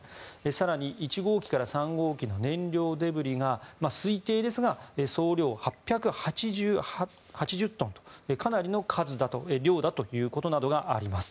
更に１号機から３号機の燃料デブリが推定ですが、総量８８０トンとかなりの量だということがあります。